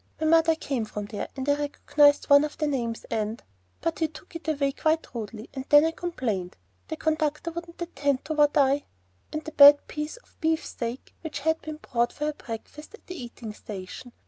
My mother came from there, and I recognized one of the names and But he took it away quite rudely; and when I complained, the conductor wouldn't attend to what I "); and the bad piece of beefsteak which had been brought for her breakfast at the eating station.